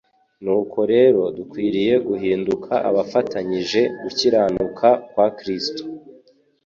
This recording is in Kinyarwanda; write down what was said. Nuko rero dukwiriye guhinduka abafatanyije gukiranuka kwa Kristo.